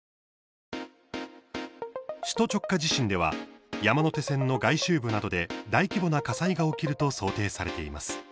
首都直下地震では山手線の外周部などで大規模な火災が起きると想定されています。